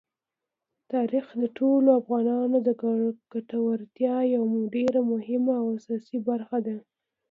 تاریخ د ټولو افغانانو د ګټورتیا یوه ډېره مهمه او اساسي برخه ده.